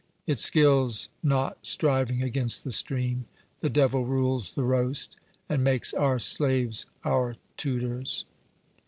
It skills not striving against the stream—the devil rules the roast, and makes our slaves our tutors."